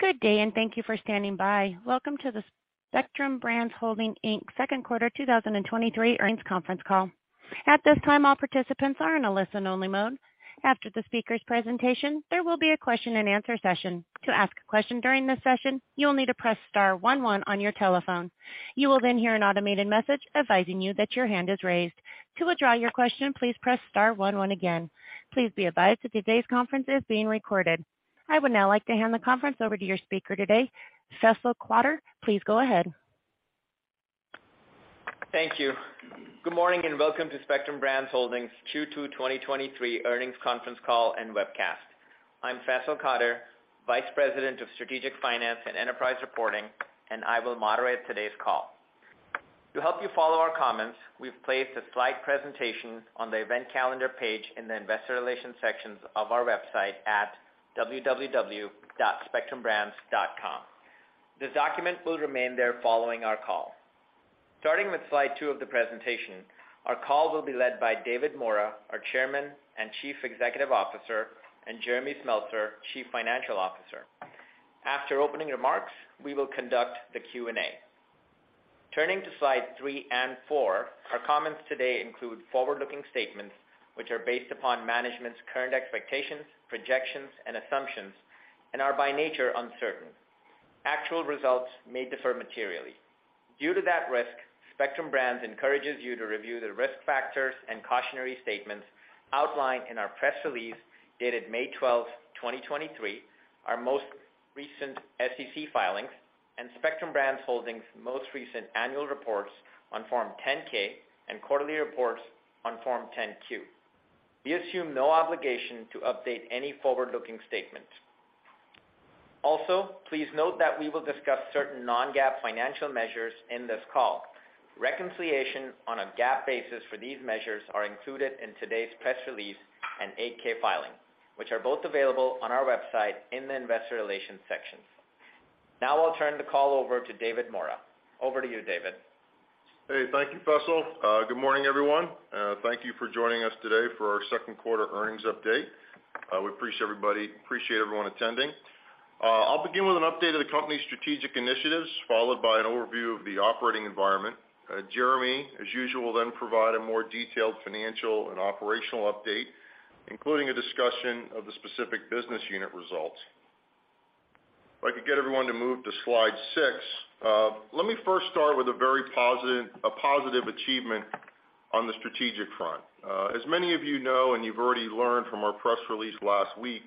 Good day. Thank you for standing by. Welcome to the Spectrum Brands Holdings, Inc, Second Quarter 2023 Earnings Conference Call. At this time, all participants are in a listen-only mode. After the speaker's presentation, there will be a question-and-answer session. To ask a question during this session, you will need to press star one one on your telephone. You will hear an automated message advising you that your hand is raised. To withdraw your question, please press star one one again. Please be advised that today's conference is being recorded. I would now like to hand the conference over to your speaker today, Faisal Qadir. Please go ahead. Thank you. Welcome to Spectrum Brands Holdings Q2 2023 Earnings Conference Call and Webcast. I'm Faisal Qadir, Vice President of Strategic Finance and Enterprise Reporting, and I will moderate today's call. To help you follow our comments, we've placed a slide presentation on the event calendar page in the investor relations sections of our website at www.spectrumbrands.com. This document will remain there following our call. Starting with Slide 2 of the presentation, our call will be led by David Maura, our Chairman and Chief Executive Officer, and Jeremy Smeltser, Chief Financial Officer. After opening remarks, we will conduct the Q&A. Turning to Slides 3 and 4, our comments today include forward-looking statements which are based upon management's current expectations, projections and assumptions and are, by nature, uncertain. Actual results may differ materially. Due to that risk, Spectrum Brands encourages you to review the risk factors and cautionary statements outlined in our press release dated May 12, 2023, our most recent SEC filings and Spectrum Brands Holdings' most recent annual reports on Form 10-K and quarterly reports on Form 10-Q. We assume no obligation to update any forward-looking statements. Please note that we will discuss certain non-GAAP financial measures in this call. Reconciliation on a GAAP basis for these measures are included in today's press release and 8-K filing, which are both available on our website in the investor relations section. I'll turn the call over to David Maura. Over to you, David. Hey. Thank you, Faisal. Good morning, everyone, and thank you for joining us today for our second quarter earnings update. We appreciate everyone attending. I'll begin with an update of the company's strategic initiatives, followed by an overview of the operating environment. Jeremy, as usual, will then provide a more detailed financial and operational update, including a discussion of the specific business unit results. If I could get everyone to move to Slide 6. Let me first start with a positive achievement on the strategic front. As many of you know and you've already learned from our press release last week,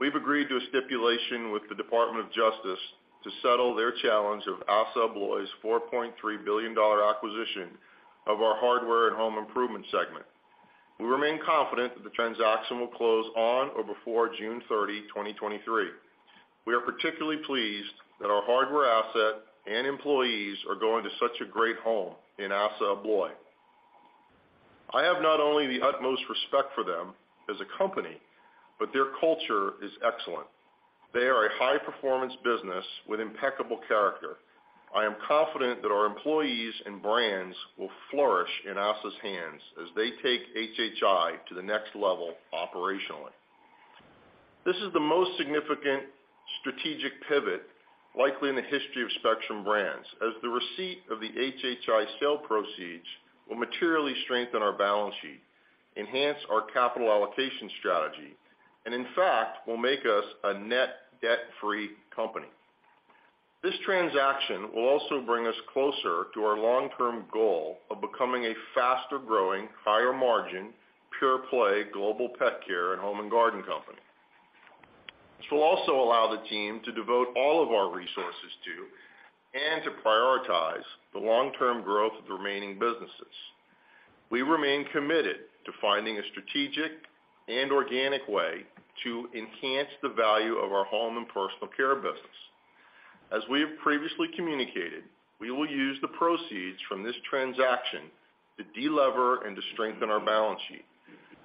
we've agreed to a stipulation with the Department of Justice to settle their challenge of ASSA ABLOY's $4.3 billion acquisition of our Hardware and Home Improvement segment. We remain confident that the transaction will close on or before June 30, 2023. We are particularly pleased that our hardware asset and employees are going to such a great home in ASSA ABLOY. I have not only the utmost respect for them as a company, but their culture is excellent. They are a high-performance business with impeccable character. I am confident that our employees and brands will flourish in ASSA's hands as they take HHI to the next level operationally. This is the most significant strategic pivot likely in the history of Spectrum Brands, as the receipt of the HHI sale proceeds will materially strengthen our balance sheet, enhance our capital allocation strategy, and in fact will make us a net debt-free company. This transaction will also bring us closer to our long-term goal of becoming a faster growing, higher margin, pure play Global Pet Care and Home & Garden company. This will also allow the team to devote all of our resources to and to prioritize the long-term growth of the remaining businesses. We remain committed to finding a strategic and organic way to enhance the value of our Home & Personal Care business. As we have previously communicated, we will use the proceeds from this transaction to de-lever and to strengthen our balance sheet.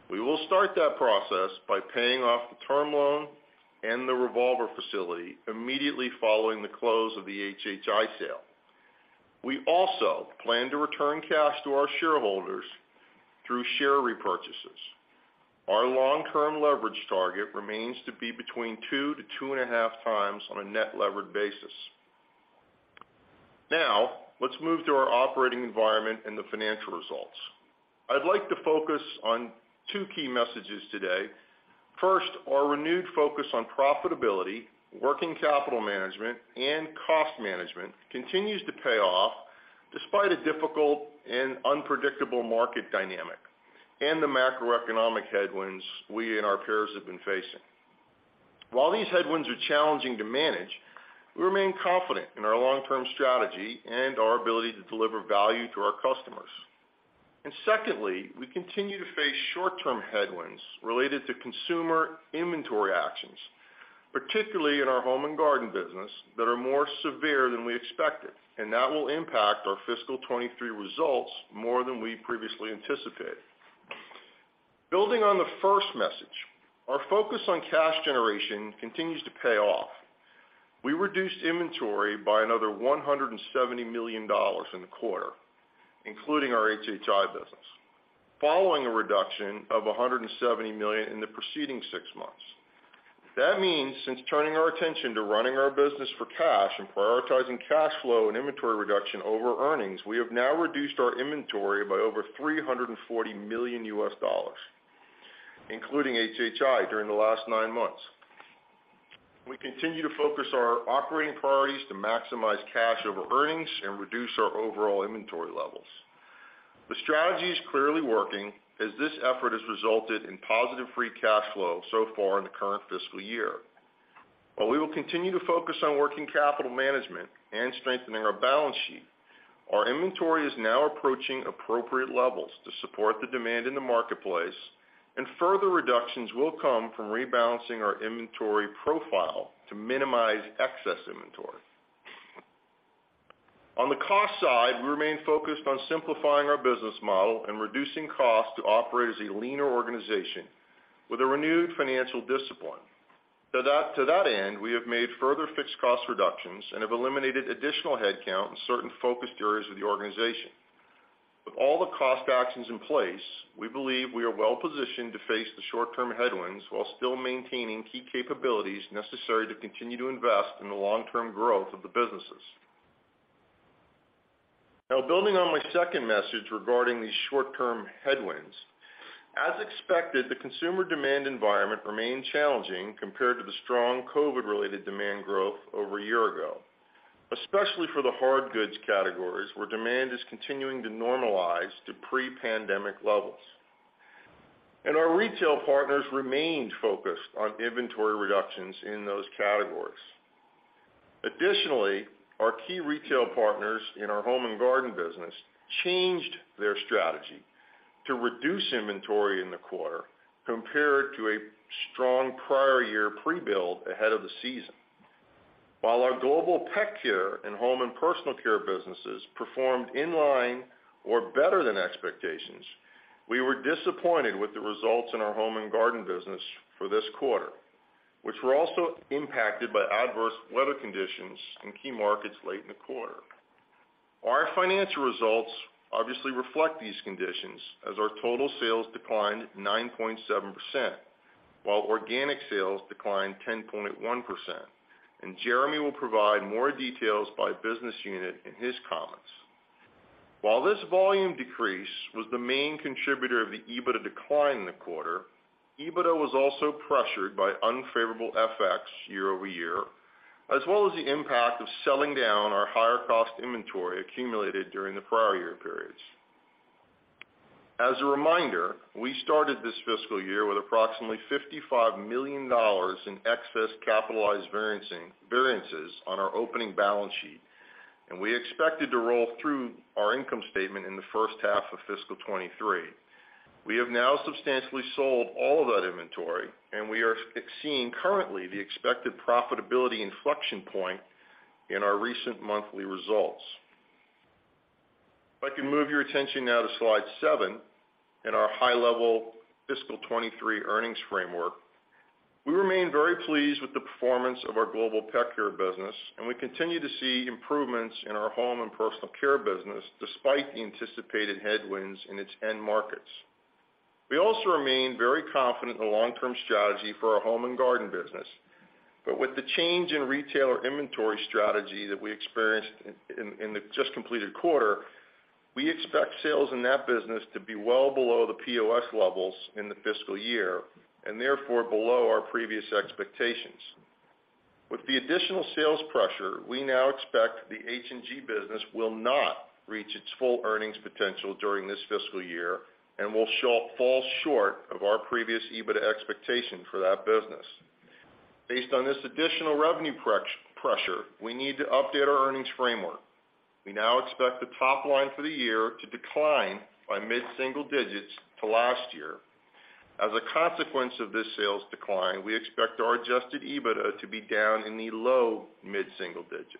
We will start that process by paying off the term loan and the revolver facility immediately following the close of the HHI sale. We also plan to return cash to our shareholders through share repurchases. Our long-term leverage target remains to be between 2x-2.5x on a net levered basis. Now, let's move to our operating environment and the financial results. I'd like to focus on two key messages today. First, our renewed focus on profitability, working capital management, and cost management continues to pay off despite a difficult and unpredictable market dynamic and the macroeconomic headwinds we and our peers have been facing. While these headwinds are challenging to manage, we remain confident in our long-term strategy and our ability to deliver value to our customers. Secondly, we continue to face short-term headwinds related to consumer inventory actions, particularly in our Home & Garden business, that are more severe than we expected, and that will impact our fiscal 2023 results more than we previously anticipated. Building on the first message, our focus on cash generation continues to pay off. We reduced inventory by another $170 million in the quarter, including our HHI business. Following a reduction of $170 million in the preceding six months. That means since turning our attention to running our business for cash and prioritizing cash flow and inventory reduction over earnings, we have now reduced our inventory by over $340 million, including HHI during the last nine months. We continue to focus our operating priorities to maximize cash over earnings and reduce our overall inventory levels. The strategy is clearly working as this effort has resulted in positive free cash flow so far in the current fiscal year. While we will continue to focus on working capital management and strengthening our balance sheet, our inventory is now approaching appropriate levels to support the demand in the marketplace, and further reductions will come from rebalancing our inventory profile to minimize excess inventory. On the cost side, we remain focused on simplifying our business model and reducing costs to operate as a leaner organization with a renewed financial discipline. To that end, we have made further fixed cost reductions and have eliminated additional headcount in certain focused areas of the organization. With all the cost actions in place, we believe we are well-positioned to face the short-term headwinds while still maintaining key capabilities necessary to continue to invest in the long-term growth of the businesses. Now, building on my second message regarding these short-term headwinds. As expected, the consumer demand environment remained challenging compared to the strong COVID-related demand growth over a year ago, especially for the hard goods categories, where demand is continuing to normalize to pre-pandemic levels. Our retail partners remained focused on inventory reductions in those categories. Our key retail partners in our Home & Garden business changed their strategy to reduce inventory in the quarter compared to a strong prior year pre-build ahead of the season. Our Global Pet Care and Home & Personal Care businesses performed in line or better than expectations, we were disappointed with the results in our Home & Garden business for this quarter, which were also impacted by adverse weather conditions in key markets late in the quarter. Our financial results obviously reflect these conditions as our total sales declined 9.7%, while organic sales declined 10.1%. Jeremy will provide more details by business unit in his comments. While this volume decrease was the main contributor of the EBITDA decline in the quarter, EBITDA was also pressured by unfavorable FX year-over-year, as well as the impact of selling down our higher cost inventory accumulated during the prior-year periods. As a reminder, we started this fiscal year with approximately $55 million in excess capitalized variances on our opening balance sheet, and we expected to roll through our income statement in the first half of fiscal 2023. We have now substantially sold all of that inventory, and we are seeing currently the expected profitability inflection point in our recent monthly results. If I can move your attention now to Slide 7 and our high-level fiscal 2023 earnings framework. We remain very pleased with the performance of our Global Pet Care business, and we continue to see improvements in our Home & Personal Care business, despite the anticipated headwinds in its end markets. We also remain very confident in the long-term strategy for our Home & Garden business. With the change in retailer inventory strategy that we experienced in the just completed quarter, we expect sales in that business to be well below the POS levels in the fiscal year and therefore below our previous expectations. With the additional sales pressure, we now expect the H&G business will not reach its full earnings potential during this fiscal year and will fall short of our previous EBITDA expectation for that business. Based on this additional revenue pre-pressure, we need to update our earnings framework. We now expect the top line for the year to decline by mid-single digits to last year. As a consequence of this sales decline, we expect our adjusted EBITDA to be down in the low-mid-single digits.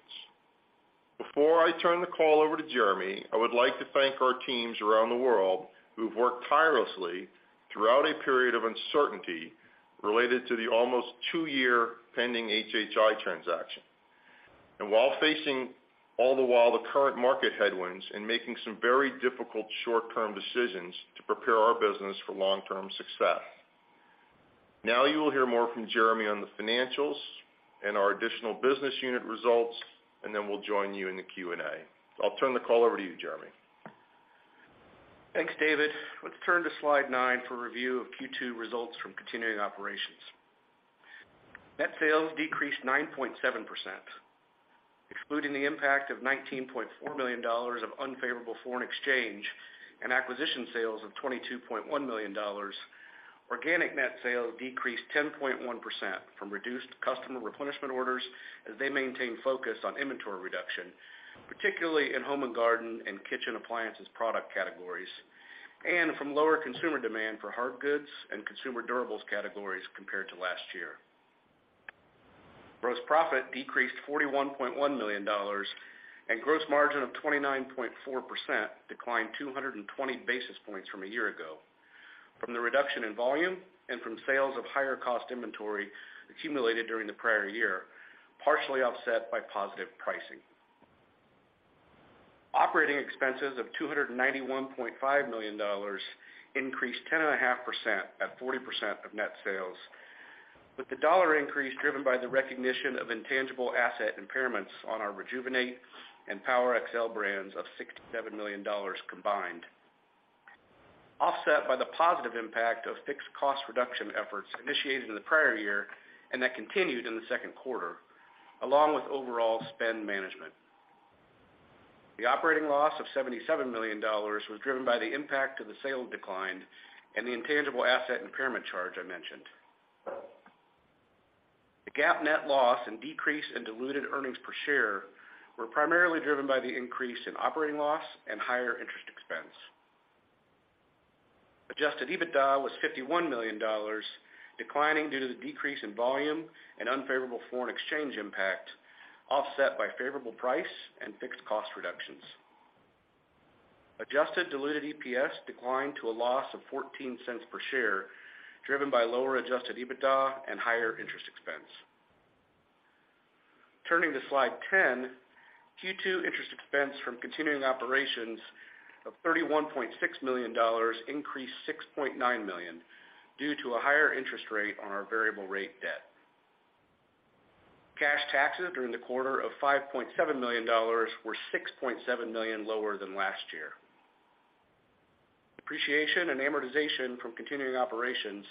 Before I turn the call over to Jeremy, I would like to thank our teams around the world who've worked tirelessly throughout a period of uncertainty related to the almost two-year pending HHI transaction. while facing all the while the current market headwinds and making some very difficult short-term decisions to prepare our business for long-term success. Now you will hear more from Jeremy on the financials and our additional business unit results, and then we'll join you in the Q&A. I'll turn the call over to you, Jeremy. Thanks, David. Let's turn to Slide 9 for review of Q2 results from continuing operations. Net sales decreased 9.7%, excluding the impact of $19.4 million of unfavorable foreign exchange and acquisition sales of $22.1 million. Organic net sales decreased 10.1% from reduced customer replenishment orders as they maintain focus on inventory reduction, particularly in Home & Garden and kitchen appliances product categories, and from lower consumer demand for hard goods and consumer durables categories compared to last year. Gross profit decreased $41.1 million, and gross margin of 29.4% declined 220 basis points from a year ago. From the reduction in volume and from sales of higher cost inventory accumulated during the prior year, partially offset by positive pricing. Operating expenses of $291.5 million increased 10.5% at 40% of net sales, with the dollar increase driven by the recognition of intangible asset impairments on our Rejuvenate and PowerXL brands of $67 million combined, offset by the positive impact of fixed cost reduction efforts initiated in the prior year and that continued in the second quarter, along with overall spend management. The operating loss of $77 million was driven by the impact of the sales decline and the intangible asset impairment charge I mentioned. The GAAP net loss and decrease in diluted earnings per share were primarily driven by the increase in operating loss and higher interest expense. Adjusted EBITDA was $51 million, declining due to the decrease in volume and unfavorable foreign exchange impact, offset by favorable price and fixed cost reductions. Adjusted diluted EPS declined to a loss of $0.14 per share, driven by lower adjusted EBITDA and higher interest expense. Turning to Slide 10, Q2 interest expense from continuing operations of $31.6 million increased $6.9 million due to a higher interest rate on our variable rate debt. Cash taxes during the quarter of $5.7 million were $6.7 million lower than last year. Depreciation and amortization from continuing operations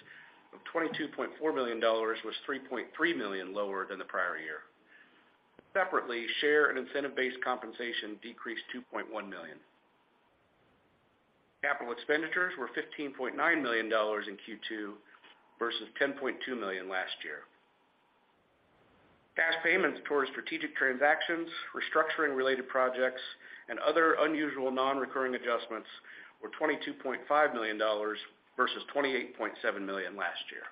of $22.4 million was $3.3 million lower than the prior year. Separately, share and incentive-based compensation decreased $2.1 million. Capital expenditures were $15.9 million in Q2 versus $10.2 million last year. Cash payments towards strategic transactions, restructuring-related projects, and other unusual non-recurring adjustments were $22.5 million versus $28.7 million last year.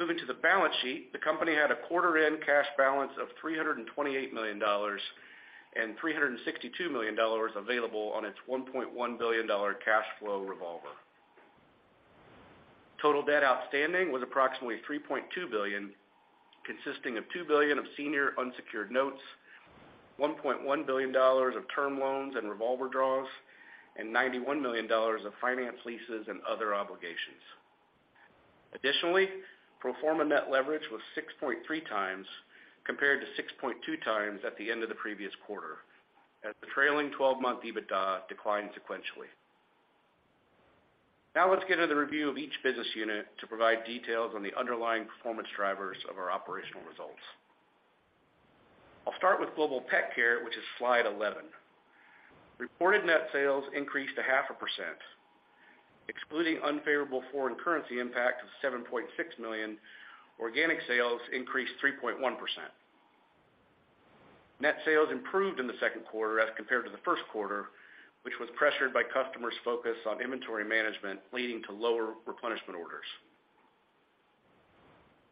Moving to the balance sheet, the company had a quarter-end cash balance of $328 million and $362 million available on its $1.1 billion cash flow revolver. Total debt outstanding was approximately $3.2 billion, consisting of $2 billion of senior unsecured notes, $1.1 billion of term loans and revolver draws, and $91 million of finance leases and other obligations. Additionally, pro forma net leverage was 6.3x compared to 6.2x at the end of the previous quarter, as the trailing 12-month EBITDA declined sequentially. Now let's get into the review of each business unit to provide details on the underlying performance drivers of our operational results. I'll start Global Pet Care, which is Slide 11. Reported net sales increased to 0.5%. Excluding unfavorable foreign currency impact of $7.6 million, organic sales increased 3.1%. Net sales improved in the second quarter as compared to the first quarter, which was pressured by customers' focus on inventory management, leading to lower replenishment orders.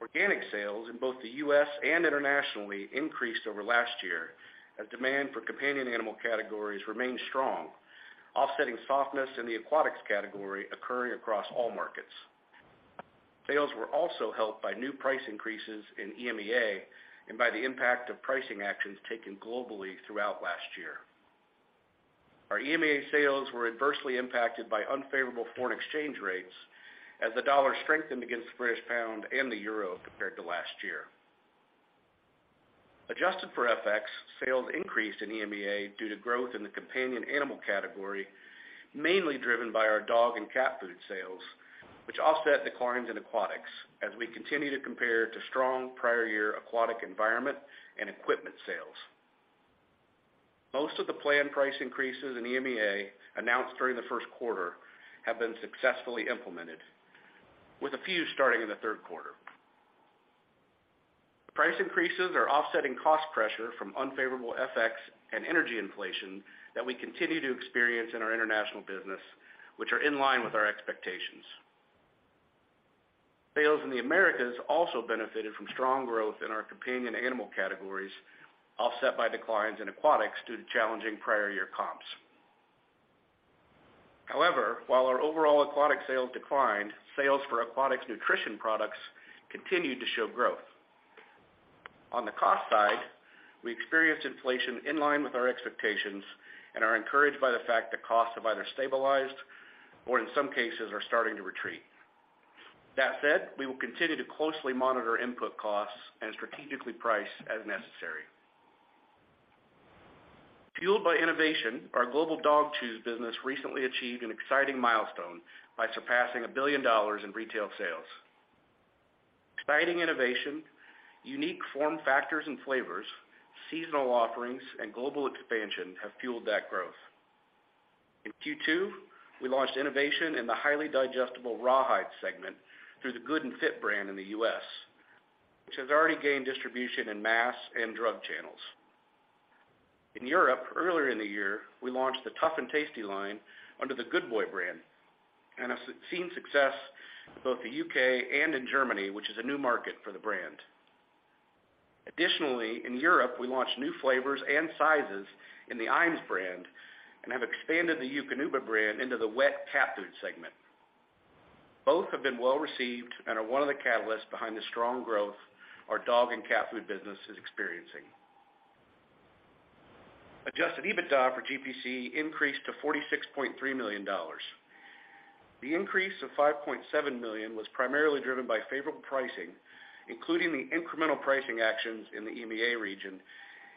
Organic sales in both the U.S. and internationally increased over last year as demand for companion animal categories remained strong, offsetting softness in the aquatics category occurring across all markets. Sales were also helped by new price increases in EMEA and by the impact of pricing actions taken globally throughout last year. Our EMEA sales were adversely impacted by unfavorable foreign exchange rates as the dollar strengthened against the British pound and the euro compared to last year. Adjusted for FX, sales increased in EMEA due to growth in the companion animal category, mainly driven by our dog and cat food sales, which offset declines in aquatics as we continue to compare to strong prior year aquatic environment and equipment sales. Most of the planned price increases in EMEA announced during the first quarter have been successfully implemented, with a few starting in the third quarter. The price increases are offsetting cost pressure from unfavorable FX and energy inflation that we continue to experience in our international business, which are in line with our expectations. Sales in the Americas also benefited from strong growth in our companion animal categories, offset by declines in aquatics due to challenging prior-year comps. However, while our overall aquatic sales declined, sales for aquatics nutrition products continued to show growth. On the cost side, we experienced inflation in line with our expectations and are encouraged by the fact that costs have either stabilized or in some cases are starting to retreat. That said, we will continue to closely monitor input costs and strategically price as necessary. Fueled by innovation, our global dog chews business recently achieved an exciting milestone by surpassing $1 billion in retail sales. Exciting innovation, unique form factors and flavors, seasonal offerings, and global expansion have fueled that growth. In Q2, we launched innovation in the highly digestible rawhide segment through the Good 'n' Fit brand in the U.S., which has already gained distribution in mass and drug channels. In Europe, earlier in the year, we launched the Tuff & Tasty line under the Good Boy brand and have seen success in both the U.K. and in Germany, which is a new market for the brand. Additionally, in Europe, we launched new flavors and sizes in the IAMS brand and have expanded the Eukanuba brand into the wet cat food segment. Both have been well received and are one of the catalysts behind the strong growth our dog and cat food business is experiencing. Adjusted EBITDA for GPC increased to $46.3 million. The increase of $5.7 million was primarily driven by favorable pricing, including the incremental pricing actions in the EMEA region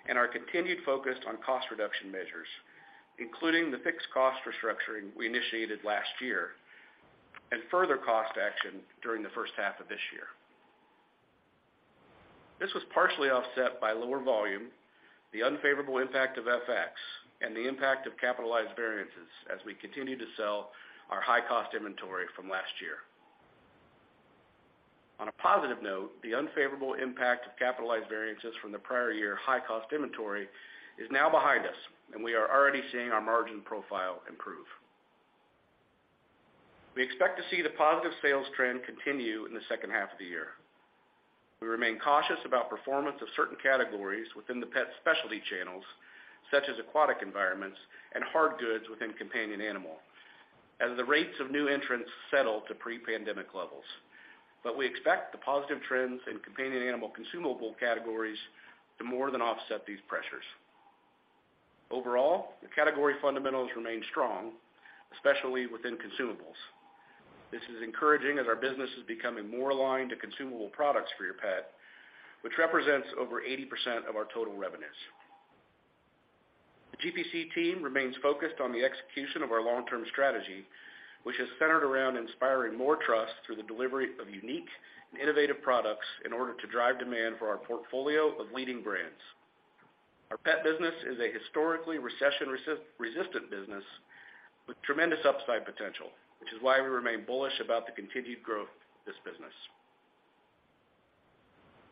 and our continued focus on cost reduction measures, including the fixed cost restructuring we initiated last year and further cost action during the first half of this year. This was partially offset by lower volume, the unfavorable impact of FX, and the impact of capitalized variances as we continue to sell our high-cost inventory from last year. On a positive note, the unfavorable impact of capitalized variances from the prior year high-cost inventory is now behind us, and we are already seeing our margin profile improve. We expect to see the positive sales trend continue in the second half of the year. We remain cautious about performance of certain categories within the pet specialty channels, such as aquatic environments and hard goods within companion animal, as the rates of new entrants settle to pre-pandemic levels. We expect the positive trends in companion animal consumable categories to more than offset these pressures. Overall, the category fundamentals remain strong, especially within consumables. This is encouraging as our business is becoming more aligned to consumable products for your pet, which represents over 80% of our total revenues. The GPC team remains focused on the execution of our long-term strategy, which is centered around inspiring more trust through the delivery of unique and innovative products in order to drive demand for our portfolio of leading brands. Our pet business is a historically recession-resistant business with tremendous upside potential, which is why we remain bullish about the continued growth of this business.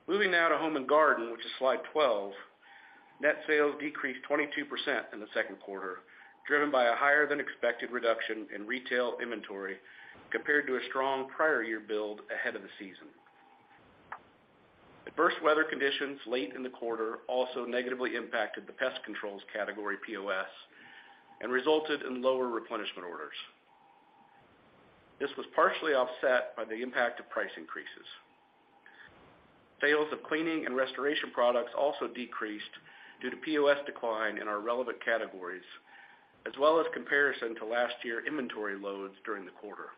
Moving now to Home & Garden, which is Slide 12, net sales decreased 22% in the second quarter, driven by a higher than expected reduction in retail inventory compared to a strong prior-year build ahead of the season. Adverse weather conditions late in the quarter also negatively impacted the pest controls category POS and resulted in lower replenishment orders. This was partially offset by the impact of price increases. Sales of cleaning and restoration products also decreased due to POS decline in our relevant categories, as well as comparison to last year inventory loads during the quarter.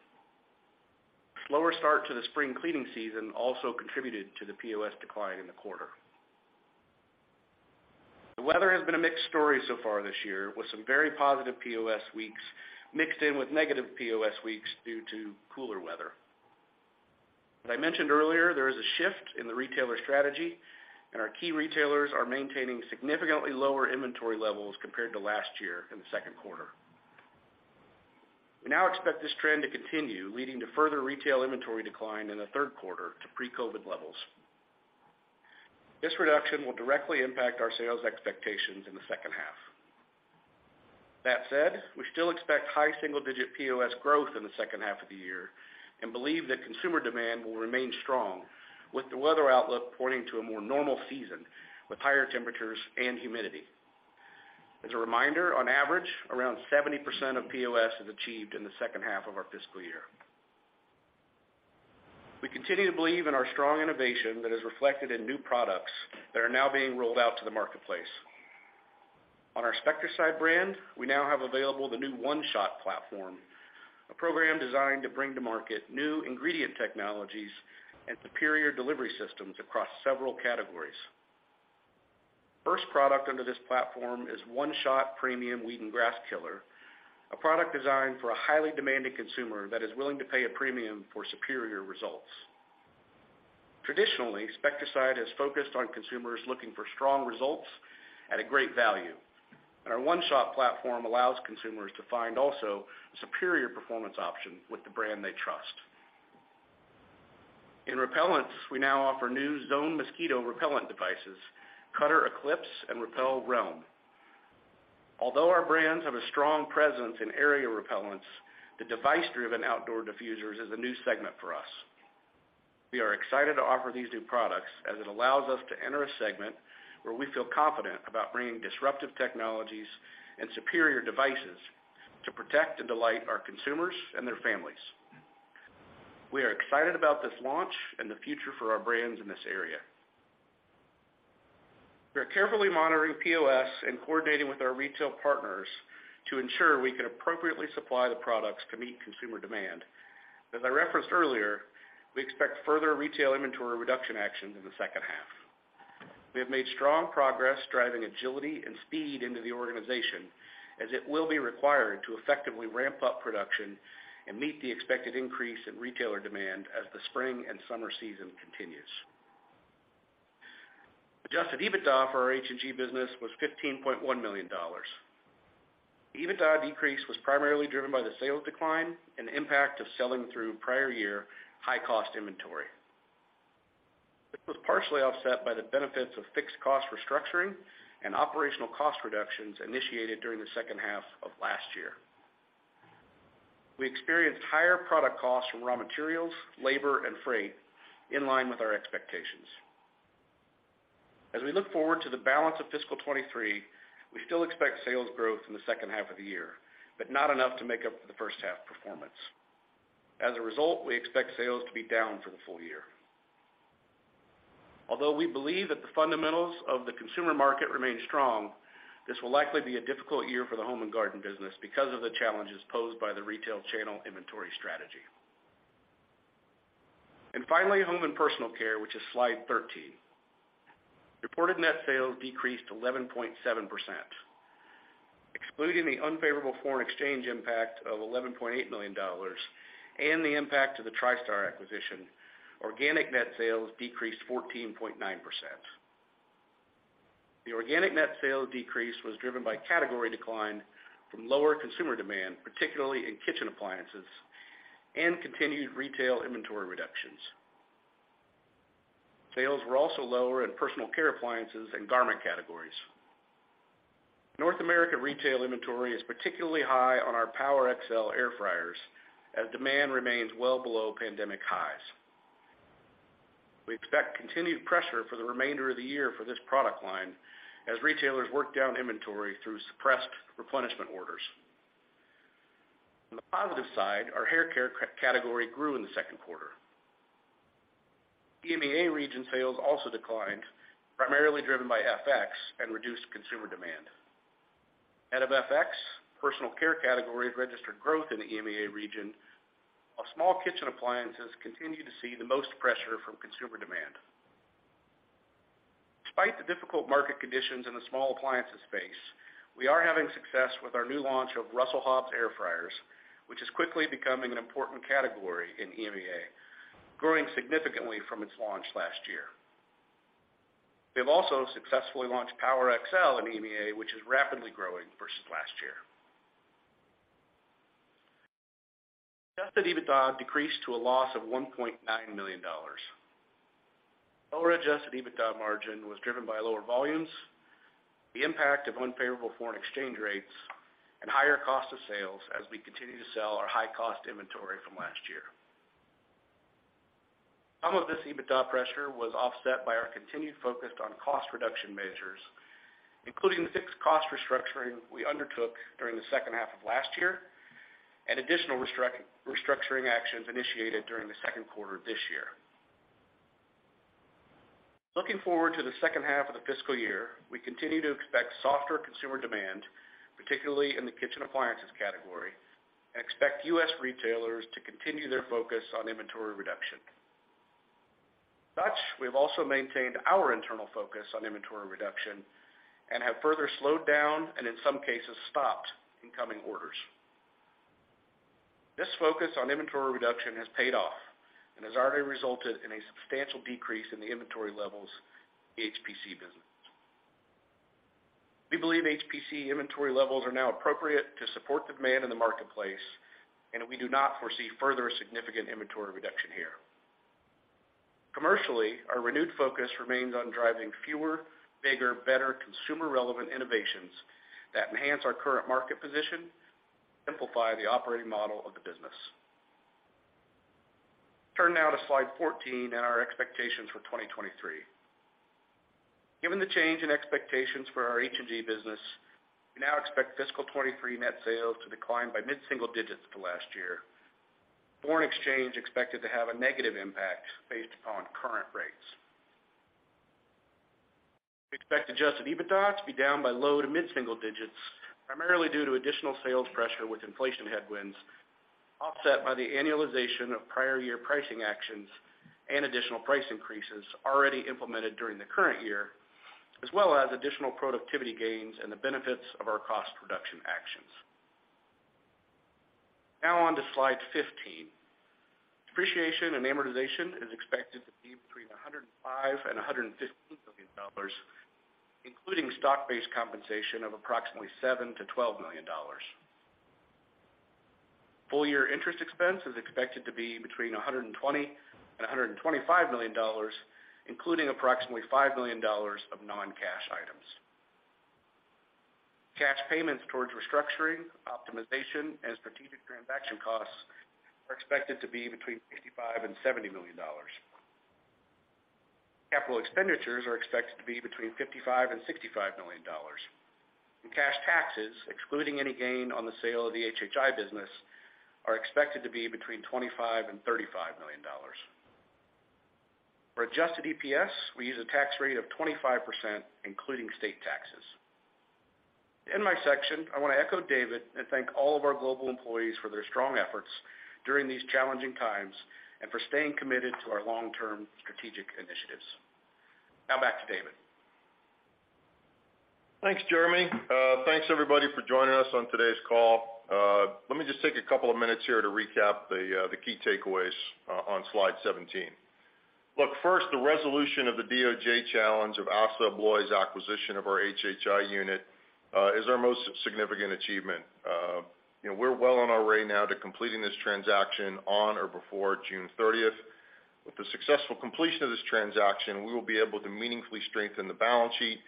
Slower start to the spring cleaning season also contributed to the POS decline in the quarter. The weather has been a mixed story so far this year, with some very positive POS weeks mixed in with negative POS weeks due to cooler weather. As I mentioned earlier, there is a shift in the retailer strategy. Our key retailers are maintaining significantly lower inventory levels compared to last year in the second quarter. We now expect this trend to continue, leading to further retail inventory decline in the third quarter to pre-COVID levels. This reduction will directly impact our sales expectations in the second half. That said, we still expect high single-digit POS growth in the second half of the year and believe that consumer demand will remain strong with the weather outlook pointing to a more normal season with higher temperatures and humidity. As a reminder, on average, around 70% of POS is achieved in the second half of our fiscal year. We continue to believe in our strong innovation that is reflected in new products that are now being rolled out to the marketplace. On our Spectracide brand, we now have available the new One-Shot platform, a program designed to bring to market new ingredient technologies and superior delivery systems across several categories. First product under this platform is One-Shot Premium Weed & Grass Killer, a product designed for a highly demanding consumer that is willing to pay a premium for superior results. Traditionally, Spectracide has focused on consumers looking for strong results at a great value. Our One-Shot platform allows consumers to find also a superior performance option with the brand they trust. In repellents, we now offer new Zone Mosquito Repellent devices, Cutter Eclipse and Repel Realm. Although our brands have a strong presence in area repellents, the device-driven outdoor diffusers is a new segment for us. We are excited to offer these new products as it allows us to enter a segment where we feel confident about bringing disruptive technologies and superior devices to protect and delight our consumers and their families. We are excited about this launch and the future for our brands in this area. We are carefully monitoring POS and coordinating with our retail partners to ensure we can appropriately supply the products to meet consumer demand. As I referenced earlier, we expect further retail inventory reduction actions in the second half. We have made strong progress driving agility and speed into the organization as it will be required to effectively ramp up production and meet the expected increase in retailer demand as the spring and summer season continues. Adjusted EBITDA for our H&G business was $15.1 million. EBITDA decrease was primarily driven by the sales decline and the impact of selling through prior-year high-cost inventory. This was partially offset by the benefits of fixed cost restructuring and operational cost reductions initiated during the second half of last year. We experienced higher product costs from raw materials, labor, and freight in line with our expectations. As we look forward to the balance of fiscal 2023, we still expect sales growth in the second half of the year, but not enough to make up for the first half performance. As a result, we expect sales to be down for the full year. Although we believe that the fundamentals of the consumer market remain strong, this will likely be a difficult year for the Home & Garden business because of the challenges posed by the retail channel inventory strategy. Finally, Home & Personal Care, which is Slide 13. Reported net sales decreased 11.7%. Excluding the unfavorable foreign exchange impact of $11.8 million and the impact of the Tristar acquisition, organic net sales decreased 14.9%. The organic net sales decrease was driven by category decline from lower consumer demand, particularly in kitchen appliances and continued retail inventory reductions. Sales were also lower in personal care appliances and garment categories. North America retail inventory is particularly high on our PowerXL air fryers as demand remains well below pandemic highs. We expect continued pressure for the remainder of the year for this product line as retailers work down inventory through suppressed replenishment orders. On the positive side, our hair care category grew in the second quarter. EMEA region sales also declined, primarily driven by FX and reduced consumer demand. Net of FX, personal care category registered growth in the EMEA region, while small kitchen appliances continue to see the most pressure from consumer demand. Despite the difficult market conditions in the small appliances space, we are having success with our new launch of Russell Hobbs air fryers, which is quickly becoming an important category in EMEA, growing significantly from its launch last year. We have also successfully launched PowerXL in EMEA, which is rapidly growing versus last year. Adjusted EBITDA decreased to a loss of $1.9 million. Lower adjusted EBITDA margin was driven by lower volumes, the impact of unfavorable foreign exchange rates, and higher cost of sales as we continue to sell our high cost inventory from last year. Some of this EBITDA pressure was offset by our continued focus on cost reduction measures, including the fixed cost restructuring we undertook during the second half of last year and additional restructuring actions initiated during the second quarter of this year. Looking forward to the second half of the fiscal year, we continue to expect softer consumer demand, particularly in the kitchen appliances category, and expect U.S. retailers to continue their focus on inventory reduction. As such, we've also maintained our internal focus on inventory reduction and have further slowed down, and in some cases, stopped incoming orders. This focus on inventory reduction has paid off and has already resulted in a substantial decrease in the inventory levels in the HPC business. We believe HPC inventory levels are now appropriate to support the demand in the marketplace, and we do not foresee further significant inventory reduction here. Commercially, our renewed focus remains on driving fewer, bigger, better consumer relevant innovations that enhance our current market position, simplify the operating model of the business. Turn now to Slide 14 and our expectations for 2023. Given the change in expectations for our H&G business, we now expect fiscal 20-23 net sales to decline by mid-single digits to last year. Foreign exchange expected to have a negative impact based upon current rates. We expect adjusted EBITDA to be down by low to mid-single digits, primarily due to additional sales pressure with inflation headwinds, offset by the annualization of prior year pricing actions and additional price increases already implemented during the current year, as well as additional productivity gains and the benefits of our cost reduction actions. On to Slide 15. Depreciation and amortization is expected to be between $105 million and $115 million, including stock-based compensation of approximately $7 million-$12 million. Full-year interest expense is expected to be between $120 million and $125 million, including approximately $5 million of non-cash items. Cash payments towards restructuring, optimization, and strategic transaction costs are expected to be between $55 million and $70 million. Capital expenditures are expected to be between $55 million and $65 million. Cash taxes, excluding any gain on the sale of the HHI business, are expected to be between $25 million and $35 million. For adjusted EPS, we use a tax rate of 25%, including state taxes. To end my section, I want to echo David and thank all of our global employees for their strong efforts during these challenging times and for staying committed to our long-term strategic initiatives. Now back to David. Thanks, Jeremy. Thanks everybody for joining us on today's call. Let me just take a couple of minutes here to recap the key takeaways on Slide 17. Look, first, the resolution of the DOJ challenge of ASSA ABLOY acquisition of our HHI unit, is our most significant achievement. You know, we're well on our way now to completing this transaction on or before June 30th. With the successful completion of this transaction, we will be able to meaningfully strengthen the balance sheet,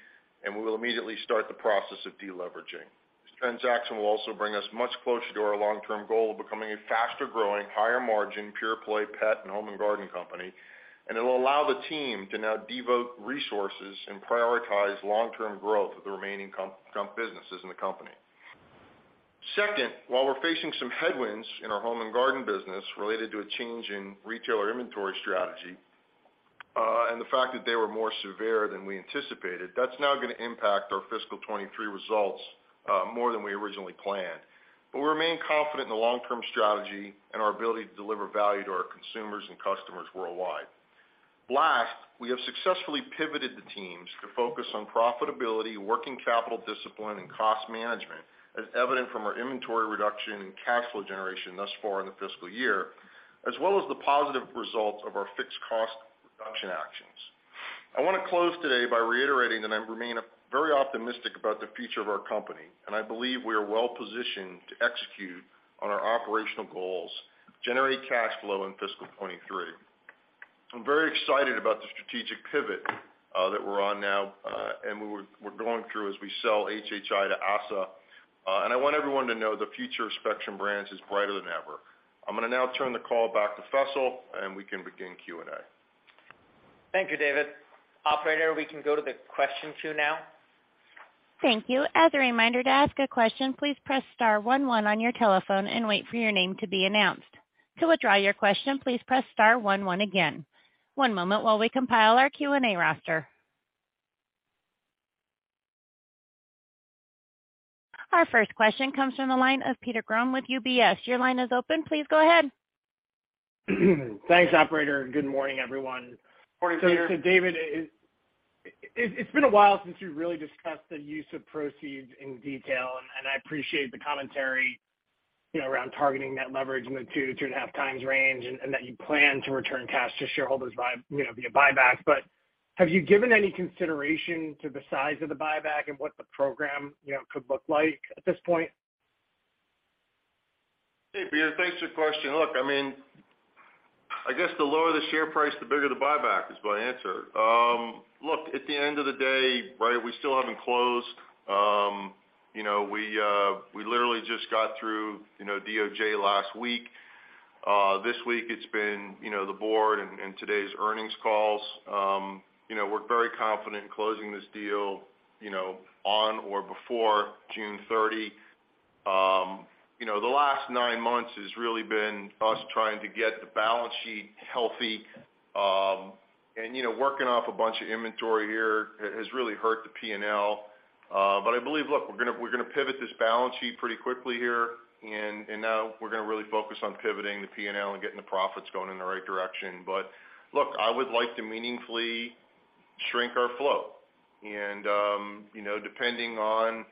and we will immediately start the process of deleveraging. This transaction will also bring us much closer to our long-term goal of becoming a faster-growing, higher margin, pure play pet and Home & Garden company. It will allow the team to now devote resources and prioritize long-term growth of the remaining businesses in the company. Second, while we're facing some headwinds in our Home & Garden business related to a change in retailer inventory strategy, and the fact that they were more severe than we anticipated, that's now gonna impact our fiscal 2023 results more than we originally planned. We remain confident in the long-term strategy and our ability to deliver value to our consumers and customers worldwide. Last, we have successfully pivoted the teams to focus on profitability, working capital discipline, and cost management, as evident from our inventory reduction and cash flow generation thus far in the fiscal year, as well as the positive results of our fixed cost reduction actions. I wanna close today by reiterating that I remain very optimistic about the future of our company, and I believe we are well-positioned to execute on our operational goals, generate cash flow in fiscal 2023. I'm very excited about the strategic pivot that we're on now, and we're going through as we sell HHI to ASSA. I want everyone to know the future of Spectrum Brands is brighter than ever. I'm gonna now turn the call back to Faisal, and we can begin Q&A. Thank you, David. Operator, we can go to the question queue now. Thank you. As a reminder, to ask a question, please press star one one on your telephone and wait for your name to be announced. To withdraw your question, please press star one one again. One moment while we compile our Q&A roster. Our first question comes from the line of Peter Grom with UBS. Your line is open. Please go ahead. Thanks, operator. Good morning, everyone. Morning, Peter. David, it's been a while since you really discussed the use of proceeds in detail, and I appreciate the commentary, you know, around targeting net leverage in the 2x-2.5x range, and that you plan to return cash to shareholders via, you know, via buyback. Have you given any consideration to the size of the buyback and what the program, you know, could look like at this point? Hey, Peter, thanks for the question. Look, I mean, I guess the lower the share price, the bigger the buyback is my answer. Look, at the end of the day, right, we still haven't closed. You know, we literally just got through, you know, DOJ last week. This week it's been, you know, the board and today's earnings calls. You know, we're very confident in closing this deal, you know, on or before June 30. You know, the last nine months has really been us trying to get the balance sheet healthy. You know, working off a bunch of inventory here has really hurt the P&L. I believe, look, we're gonna pivot this balance sheet pretty quickly here, and now we're gonna really focus on pivoting the P&L and getting the profits going in the right direction. Look, I would like to meaningfully shrink our flow. You know, depending on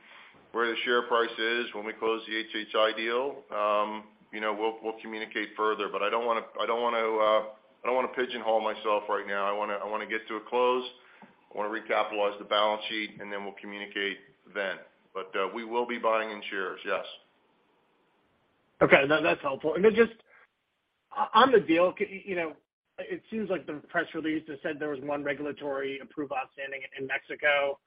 where the share price is when we close the HHI deal, you know, we'll communicate further. I don't want to, I don't wanna pigeonhole myself right now. I wanna get to a close. I wanna recapitalize the balance sheet, and then we'll communicate then. We will be buying in shares, yes. Okay. That's helpful. Then just on the deal, you know, it seems like the press release has said there was one regulatory approval outstanding in Mexico.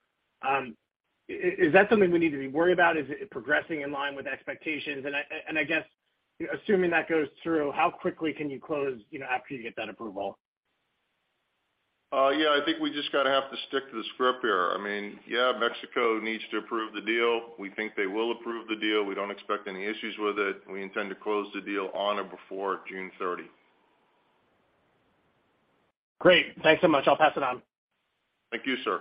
Is that something we need to be worried about? Is it progressing in line with expectations? I guess, assuming that goes through, how quickly can you close, you know, after you get that approval? Yeah, I think we just gotta have to stick to the script here. I mean, yeah, Mexico needs to approve the deal. We think they will approve the deal. We don't expect any issues with it. We intend to close the deal on or before June 30. Great. Thanks so much. I'll pass it on. Thank you, sir.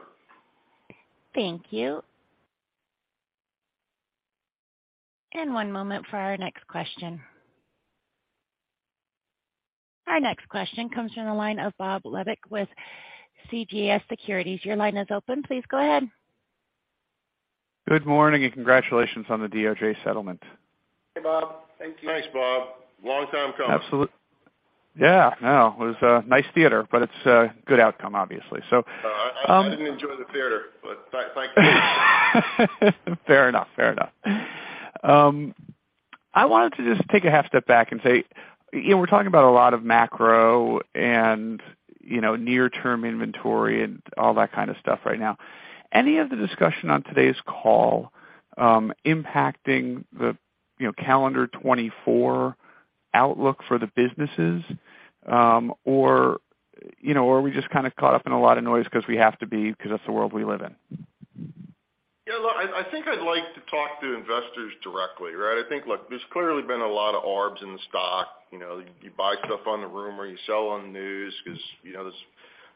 Thank you. One moment for our next question. Our next question comes from the line of Bob Labick with CJS Securities. Your line is open. Please go ahead. Good morning congratulations on the DOJ settlement. Hey, Bob. Thank you. Thanks, Bob. Long time coming. Absolutely. Yeah, no, it was, nice theater, but it's a good outcome obviously. I didn't enjoy the theater, but thank you. Fair enough. Fair enough. I wanted to just take a half step back and say, you know, we're talking about a lot of macro and, you know, near term inventory and all that kind of stuff right now. Any of the discussion on today's call, impacting the, you know, calendar 2024 outlook for the businesses, or, you know, are we just kinda caught up in a lot of noise 'cause we have to be, 'cause that's the world we live in? Yeah, look, I think I'd like to talk to investors directly, right? I think, look, there's clearly been a lot of arbs in the stock. You know, you buy stuff on the rumor, you sell on the news 'cause, you know, there's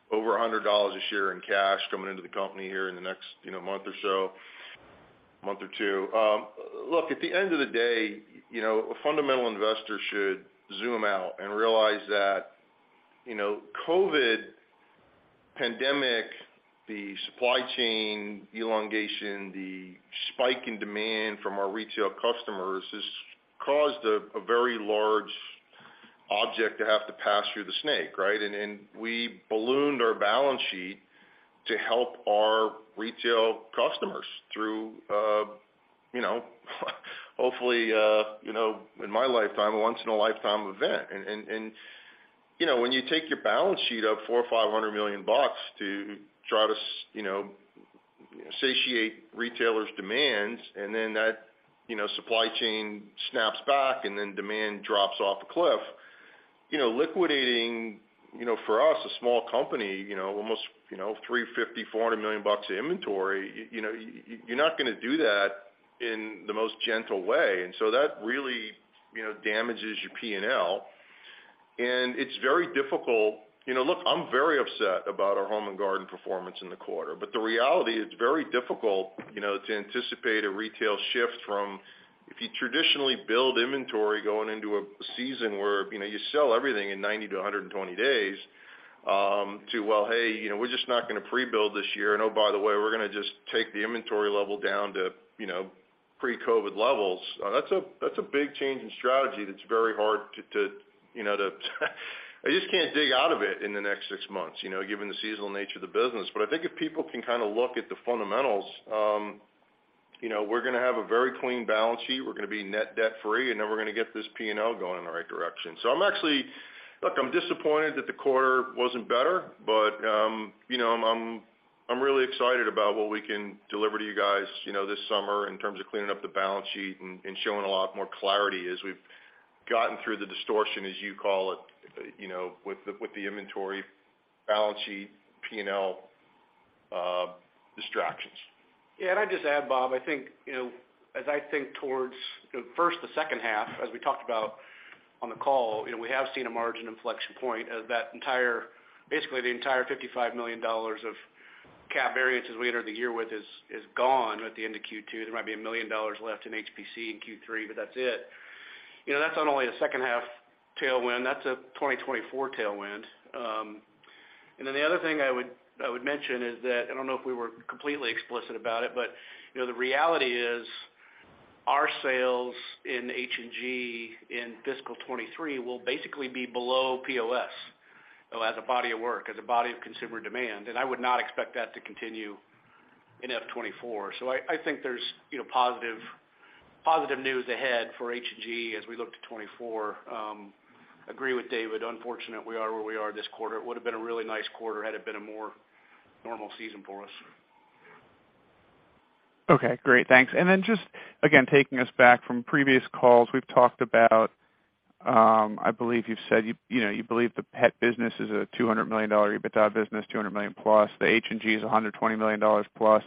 over $100 a share in cash coming into the company here in the next, you know, month or so, month or two. Look, at the end of the day, you know, a fundamental investor should zoom out and realize that, you know, COVID pandemic, the supply chain elongation, the spike in demand from our retail customers has caused a very large object to have to pass through the snake, right? We ballooned our balance sheet to help our retail customers through, you know, hopefully, you know, in my lifetime, a once in a lifetime event. You know, when you take your balance sheet up $400 million-$500 million to try to you know, satiate retailers demands, and then that, you know, supply chain snaps back and then demand drops off a cliff, you know, liquidating, you know, for us, a small company, you know, almost, you know, $350 million-$400 million of inventory, you know, you not gonna do that in the most gentle way. That really, you know, damages your P&L. It's very difficult— You know, look, I'm very upset about our Home & Garden performance in the quarter, but the reality, it's very difficult, you know, to anticipate a retail shift from if you traditionally build inventory going into a season where, you know, you sell everything in 90-120 days, to well, hey, you know, we're just not gonna pre-build this year. Oh, by the way, we're gonna just take the inventory level down to, you know, pre-COVID levels. That's a, that's a big change in strategy that's very hard to, you know, to I just can't dig out of it in the next six months, you know, given the seasonal nature of the business. I think if people can kind of look at the fundamentals, you know, we're gonna have a very clean balance sheet. We're gonna be net debt free, and then we're gonna get this P&L going in the right direction. I'm actually. Look, I'm disappointed that the quarter wasn't better, but, you know, I'm really excited about what we can deliver to you guys, you know, this summer in terms of cleaning up the balance sheet and showing a lot more clarity as we've gotten through the distortion, as you call it, you know, with the inventory balance sheet, P&L, distractions. Yeah. I'd just add, Bob, I think, you know, as I think towards, you know, first the second half, as we talked about on the call, you know, we have seen a margin inflection point of that basically the entire $55 million of cap variance as we entered the year with is gone at the end of Q2. There might be $1 million left in HPC in Q3, but that's it. You know, that's not only a second half tailwind, that's a 2024 tailwind. Then the other thing I would mention is that I don't know if we were completely explicit about it, but, you know, the reality is our sales in H&G in fiscal 2023 will basically be below POS as a body of work, as a body of consumer demand. I would not expect that to continue in F 2024. I think there's, you know, positive news ahead for H&G as we look to 2024. Agree with David. Unfortunate we are where we are this quarter. It would have been a really nice quarter had it been a more normal season for us. Okay. Great. Thanks. Just, again, taking us back from previous calls, we've talked about, I believe you've said you know, you believe the pet business is a $200 million EBITDA business, $200 million plus. The H&G is a $120 million plus.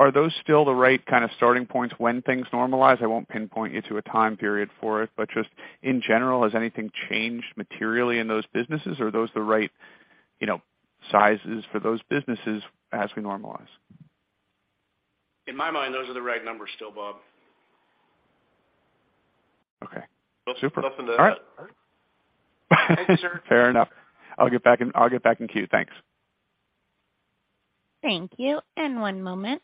Are those still the right kind of starting points when things normalize? I won't pinpoint you to a time period for it. Just in general, has anything changed materially in those businesses, or are those the right, you know, sizes for those businesses as we normalize? In my mind, those are the right numbers still, Bob. Okay. Super. Nothing to add. All right. Thank you, sir. Fair enough. I'll get back in queue. Thanks. Thank you. One moment.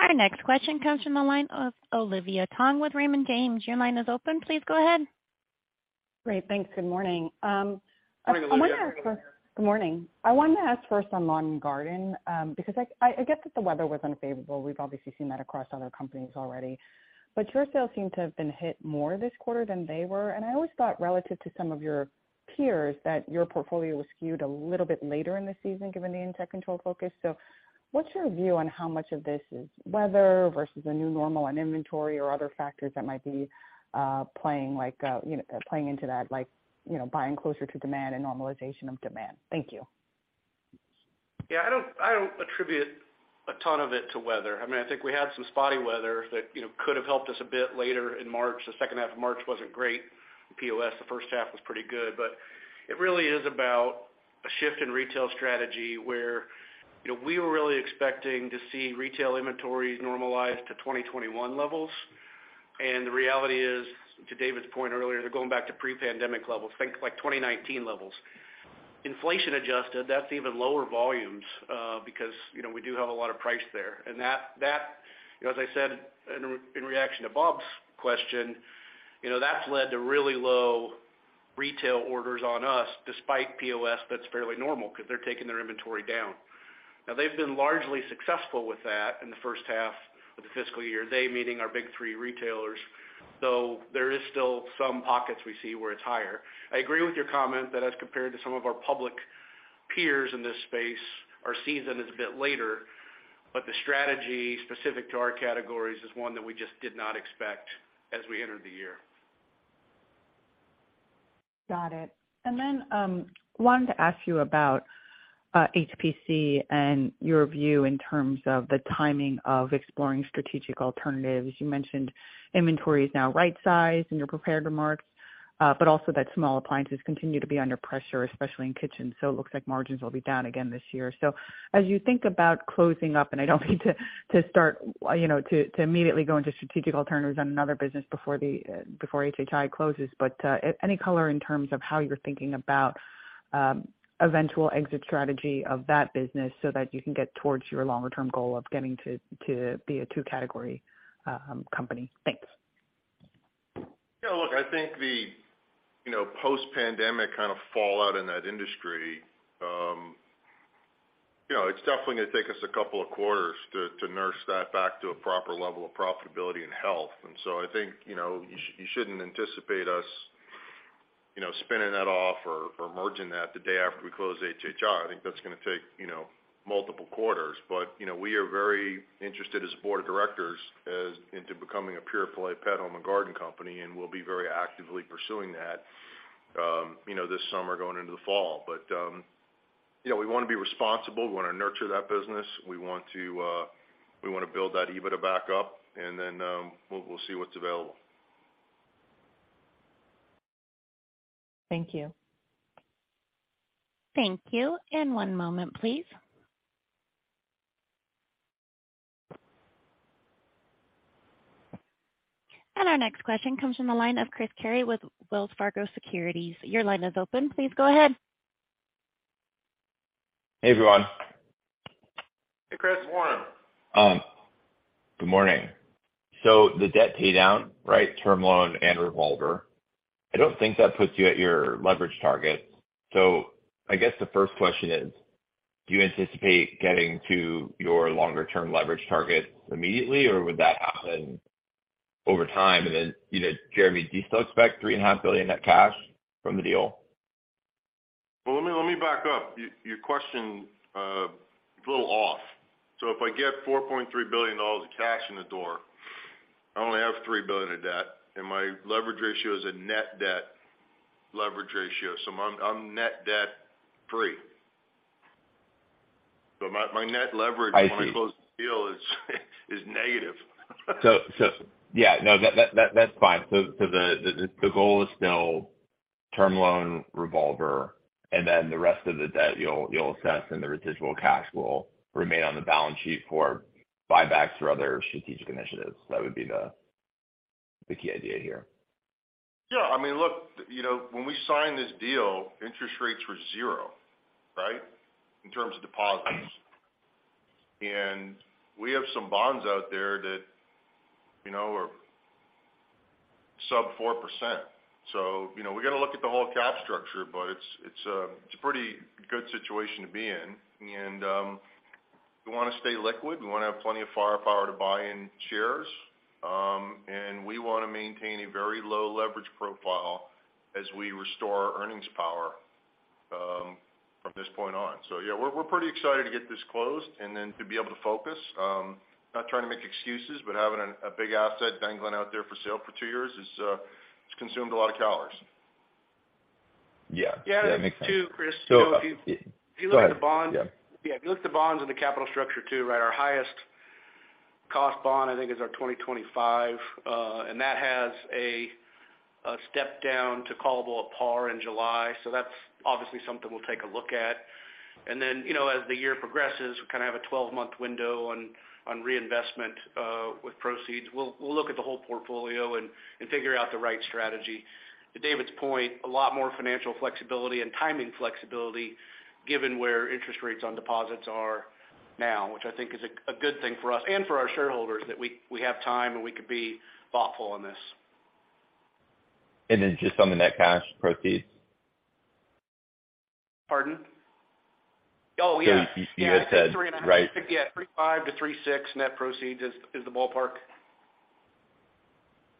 Our next question comes from the line of Olivia Tong with Raymond James. Your line is open. Please go ahead. Great. Thanks. Good morning. Good morning, Olivia. I wanna ask first. Good morning. I wanted to ask first on lawn and garden, because I get that the weather was unfavorable. We've obviously seen that across other companies already. Your sales seem to have been hit more this quarter than they were. I always thought relative to some of your peers, that your portfolio was skewed a little bit later in the season, given the insect control focus. What's your view on how much of this is weather versus a new normal on inventory or other factors that might be playing like, you know, playing into that like, you know, buying closer to demand and normalization of demand? Thank you. Yeah, I don't attribute a ton of it to weather. I mean, I think we had some spotty weather that, you know, could have helped us a bit later in March. The second half of March wasn't great. POS, the first half was pretty good. It really is about a shift in retail strategy where, you know, we were really expecting to see retail inventories normalize to 2021 levels. The reality is, to David's point earlier, they're going back to pre-pandemic levels, think like 2019 levels. Inflation adjusted, that's even lower volumes, because, you know, we do have a lot of price there. That, you know, as I said in reaction to Bob's question, you know, that's led to really low retail orders on us despite POS that's fairly normal because they're taking their inventory down. Now, they've been largely successful with that in the first half of the fiscal year. They meeting our big three retailers, though there is still some pockets we see where it's higher. I agree with your comment that as compared to some of our public peers in this space, our season is a bit later, but the strategy specific to our categories is one that we just did not expect as we entered the year. Got it. Wanted to ask you about HPC and your view in terms of the timing of exploring strategic alternatives. You mentioned inventory is now right size and you're prepared to mark, but also that small appliances continue to be under pressure, especially in kitchen. It looks like margins will be down again this year. As you think about closing up, and I don't mean to immediately go into strategic alternatives on another business before HHI closes, but any color in terms of how you're thinking about eventual exit strategy of that business so that you can get towards your longer term goal of getting to be a two-category company. Thanks. Yeah, look, I think the, you know, post-pandemic kind of fallout in that industry, you know, it's definitely gonna take us a couple of quarters to nurse that back to a proper level of profitability and health. I think, you know, you shouldn't anticipate us, you know, spinning that off or merging that the day after we close HHI. I think that's gonna take, you know, multiple quarters. You know, we are very interested as a board of directors as into becoming a pure play pet Home & Garden company, and we'll be very actively pursuing that, you know, this summer going into the fall. You know, we wanna be responsible. We wanna nurture that business. We want to, we wanna build that EBITDA back up, and then, we'll see what's available. Thank you. Thank you. One moment, please. Our next question comes from the line of Chris Carey with Wells Fargo Securities. Your line is open. Please go ahead. Hey, everyone. Hey, Chris. Morning. Good morning. The debt pay down, right? Term loan and revolver. I don't think that puts you at your leverage target. I guess the first question is, do you anticipate getting to your longer-term leverage target immediately, or would that happen over time? You know, Jeremy, do you still expect $ 3.5 billion net cash from the deal? Well, let me back up. Your question is a little off. If I get $4.3 billion of cash in the door, I only have $3 billion of debt, and my leverage ratio is a net debt leverage ratio. I'm net debt-free. My net leverage when I close the deal is negative. Yeah, no. That's fine. The goal is still term loan revolver, and then the rest of the debt you'll assess and the residual cash will remain on the balance sheet for buybacks or other strategic initiatives. That would be the key idea here. Yeah. I mean, look, you know, when we signed this deal, interest rates were 0%, right? In terms of deposits. We have some bonds out there that, you know, are sub-4%. You know, we got to look at the whole cap structure, but it's a pretty good situation to be in. We wanna stay liquid. We wanna have plenty of firepower to buy in shares. We wanna maintain a very low leverage profile as we restore our earnings power from this point on. Yeah, we're pretty excited to get this closed and then to be able to focus. Not trying to make excuses, but having a big asset dangling out there for sale for two years is, it's consumed a lot of calories. Yeah. That makes sense. Yeah. Too, Chris. Go ahead. Yeah. Yeah, if you look at the bonds and the capital structure too, right? Our highest cost bond, I think, is our 2025. That has a step down to callable par in July. That's obviously something we'll take a look at. Then, you know, as the year progresses, we kinda have a 12-month window on reinvestment, with proceeds. We'll look at the whole portfolio and figure out the right strategy. To David's point, a lot more financial flexibility and timing flexibility given where interest rates on deposits are now, which I think is a good thing for us and for our shareholders that we have time and we could be thoughtful on this. Just on the net cash proceeds. Pardon? Oh, yeah. You had said, right. Yeah. $3.5 billion-$3.6 billion net proceeds is the ballpark.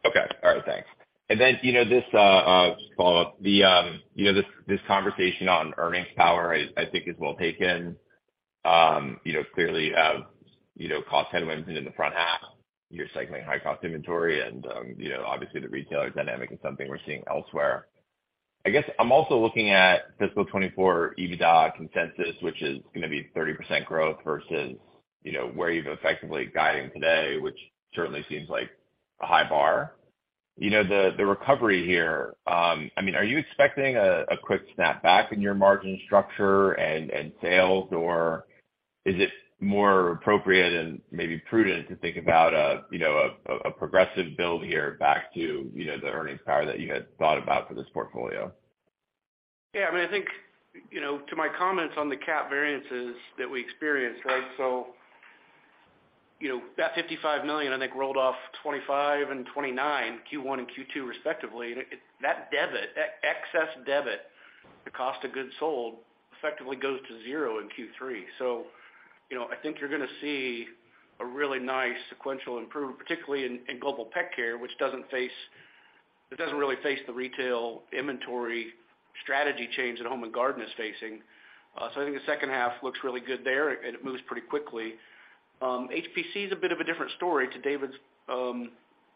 Okay. All right. Thanks. Then, you know, this, just a follow-up. The, you know, this conversation on earnings power, I think is well taken. You know, clearly you have, you know, cost headwinds in the front half. You're cycling high cost inventory and, you know, obviously the retailer dynamic is something we're seeing elsewhere. I guess I'm also looking at fiscal 2024 EBITDA consensus, which is gonna be 30% growth versus, you know, where you've effectively guiding today, which certainly seems like a high bar. You know, the recovery here, I mean, are you expecting a quick snap back in your margin structure and sales, or is it more appropriate and maybe prudent to think about a, you know, a progressive build here back to, you know, the earnings power that you had thought about for this portfolio? Yeah, I mean, I think, you know, to my comments on the cap variances that we experienced, right? You know, that $55 million, I think, rolled off 25 and 29, Q1 and Q2 respectively. That debit, that excess debit, the cost of goods sold effectively goes to zero in Q3. You know, I think you're gonna see a really nice sequential improvement, particularly in Global Pet Care, which doesn't really face the retail inventory strategy change that Home & Garden is facing. I think the second half looks really good there, and it moves pretty quickly. HPC is a bit of a different story to David's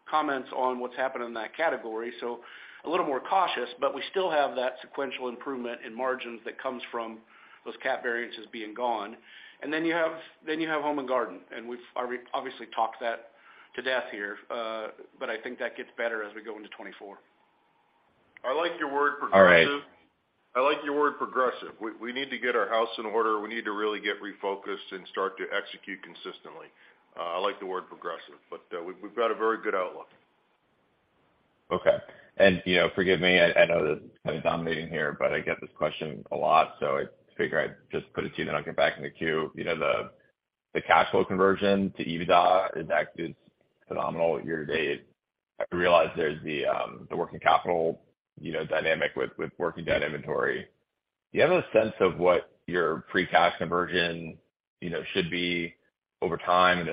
comments on what's happened in that category, so a little more cautious, but we still have that sequential improvement in margins that comes from those cap variances being gone. Then you have Home & Garden, and we've obviously talked that to death here. I think that gets better as we go into 2024. I like your word progressive. All right. I like your word progressive. We need to get our house in order. We need to really get refocused and start to execute consistently. I like the word progressive. We've got a very good outlook. Okay. And, you know, forgive me, I know that I'm kind of dominating here, but I get this question a lot, so I figure I'd just put it to you then I'll get back in the queue. You know, The cash flow conversion to EBITDA is actually, it's phenomenal year to date. I realize there's the working capital, you know, dynamic with working debt inventory. Do you have a sense of what your free cash conversion, you know, should be over time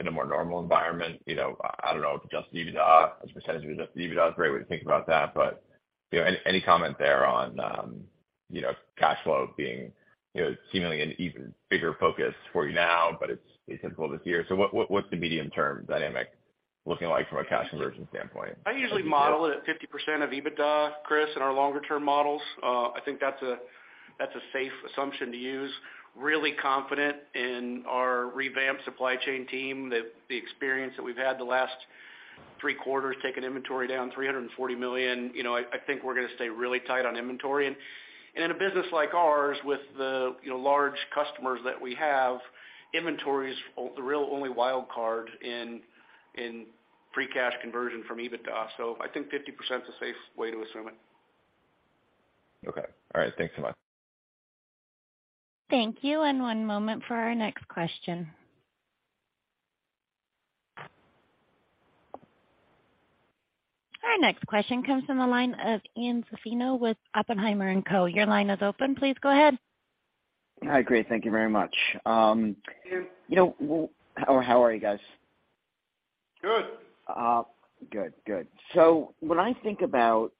in a more normal environment? You know, I don't know if adjusted EBITDA, a percentage of adjusted EBITDA is a great way to think about that. But, you know, any comment there on, you know, cash flow being, you know, seemingly an even bigger focus for you now, but it's atypical this year. What's the medium-term dynamic looking like from a cash conversion standpoint? I usually model it at 50% of EBITDA, Chris, in our longer term models. I think that's a safe assumption to use. Really confident in our revamped supply chain team, the experience that we've had the last three quarters, taking inventory down $340 million. You know, I think we're gonna stay really tight on inventory. In a business like ours, with the, you know, large customers that we have, inventory's the real only wild card in free cash conversion from EBITDA. I think 50%'s a safe way to assume it. Okay. All right. Thanks so much. Thank you, and one moment for our next question. Our next question comes from the line of Ian Zaffino with Oppenheimer & Co. Your line is open. Please go ahead. Hi. Great. Thank you very much. Thank you. You know, How are you guys? Good. Good. When I think about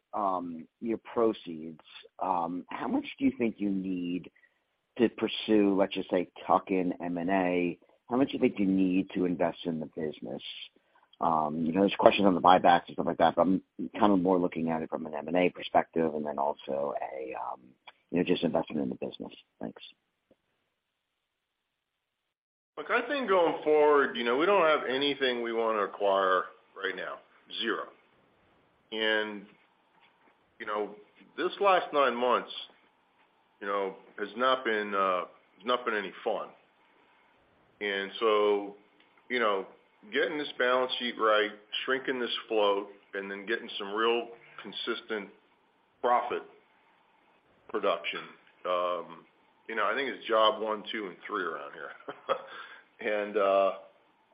your proceeds, how much do you think you need to pursue, let's just say, tuck-in M&A? How much do you think you need to invest in the business? You know, there's questions on the buybacks and stuff like that, but I'm kind of more looking at it from an M&A perspective and then also a, you know, just investment in the business. Thanks. Look, I think going forward, you know, we don't have anything we wanna acquire right now. Zero. You know, this last nine months, you know, has not been, has not been any fun. You know, getting this balance sheet right, shrinking this flow, and then getting some real consistent profit production, you know, I think it's job one, two, and three around here.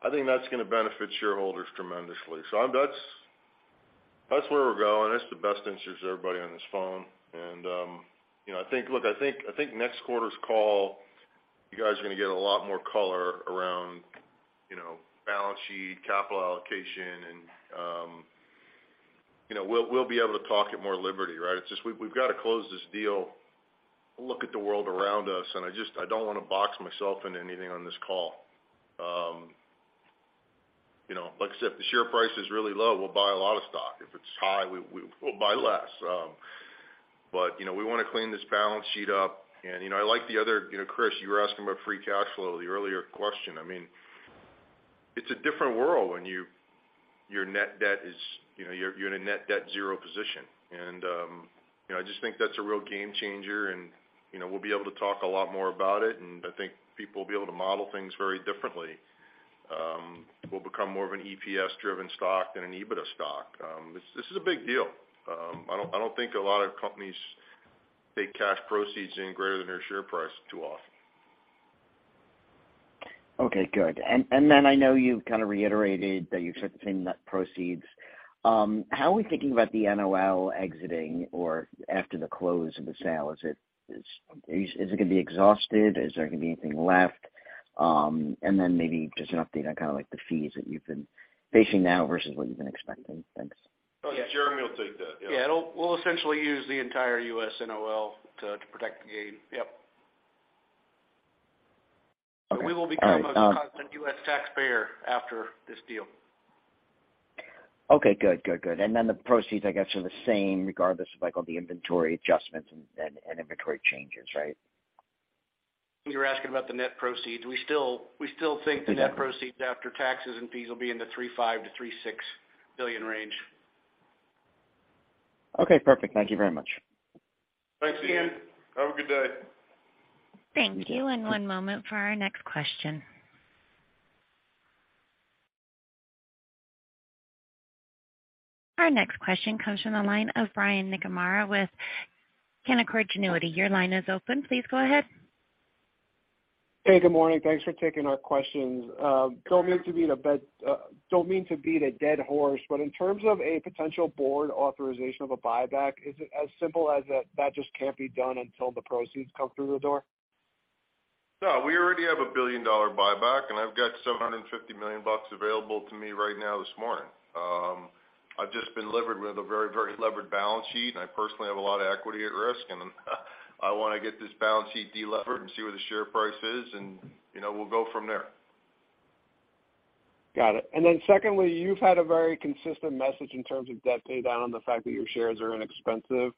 I think that's gonna benefit shareholders tremendously. That's where we're going. That's the best answer to everybody on this phone. You know, Look, I think next quarter's call, you guys are gonna get a lot more color around, you know, balance sheet, capital allocation, and, you know, we'll be able to talk at more liberty, right? It's just we've gotta close this deal, look at the world around us, I don't wanna box myself into anything on this call. You know, like I said, if the share price is really low, we'll buy a lot of stock. If it's high, we'll buy less. You know, we wanna clean this balance sheet up, you know, I like the other— You know, Chris, you were asking about free cash flow, the earlier question. I mean, it's a different world when your net debt is, you know, you're in a net debt zero position. You know, I just think that's a real game changer, you know, we'll be able to talk a lot more about it, I think people will be able to model things very differently. We'll become more of an EPS-driven stock than an EBITDA stock. This is a big deal. I don't think a lot of companies take cash proceeds in greater than their share price too often. Okay, good. I know you've kinda reiterated that you've certain net proceeds. How are we thinking about the NOL exiting or after the close of the sale? Is it gonna be exhausted? Is there gonna be anything left? Maybe just an update on kinda like the fees that you've been facing now versus what you've been expecting. Thanks. Oh, yeah. Jeremy will take that. Yeah. Yeah. We'll essentially use the entire U.S. NOL to protect the gain. Yep. Okay. All right, We will become a constant U.S. taxpayer after this deal. Okay, good. Then the proceeds, I guess, are the same regardless of like all the inventory adjustments and inventory changes, right? You're asking about the net proceeds. We still think the net proceeds after taxes and fees will be in the $3.5 billion-$3.6 billion range. Okay, perfect. Thank you very much. Thanks, Ian. Have a good day. Thank you, one moment for our next question. Our next question comes from the line of Brian McNamara with Canaccord Genuity. Your line is open. Please go ahead. Hey, good morning. Thanks for taking our questions. Don't mean to beat a dead horse, but in terms of a potential board authorization of a buyback, is it as simple as that just can't be done until the proceeds come through the door? No, we already have a billion-dollar buyback, and I've got $750 million available to me right now this morning. I've just been levered with a very, very levered balance sheet, and I personally have a lot of equity at risk, and I wanna get this balance sheet de-levered and see where the share price is and, you know, we'll go from there. Got it. Secondly, you've had a very consistent message in terms of debt pay down and the fact that your shares are inexpensive.